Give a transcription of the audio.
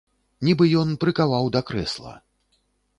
Нібы ён прыкаваў да крэсла.